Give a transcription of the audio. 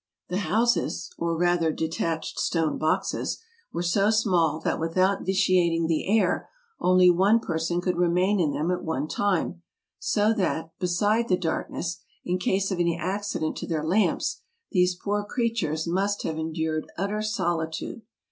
The houses — or rather detached stone boxes — were so small that without vitiating the air only one person could remain in them at one time ; so that, be side the darkness — in case of any accident to their lamps — these poor creatures must have endured utter solitude.